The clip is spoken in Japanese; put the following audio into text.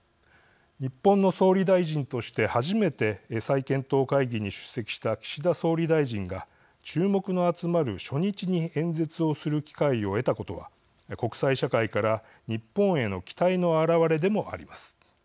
日本の総理大臣として初めて再検討会議に出席した岸田総理大臣が注目の集まる初日に演説をする機会を得たことは国際社会から日本への期待の表れでもあります。